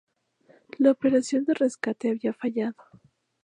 La operación de rescate había fallado.